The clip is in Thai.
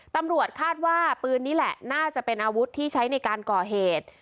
ตำรวจคาดว่าปืนนี้แหละน่าจะเป็นอาวุธที่ใช้ในการก่อเหตุ